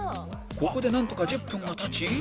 ここでなんとか１０分が経ち